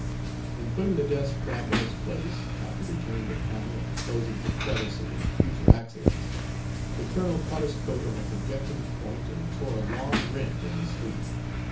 In putting the desk back in its place, after returning the panel and closing the crevice against future accidents, the colonel caught his coat on a projecting point and tore a long rent in the sleeve.